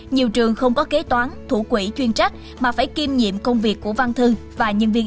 nhiều trường không có kế toán thủ quỹ chuyên trách mà phải kiêm nhiệm công việc của văn thương và nhân viên y tế